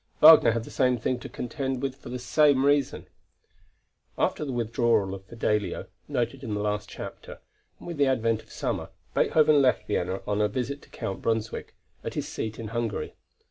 Wagner had the same thing to contend with for the same reason. After the withdrawal of Fidelio, noted in the last chapter, and with the advent of summer, Beethoven left Vienna on a visit to Count Brunswick, at his seat in Hungary.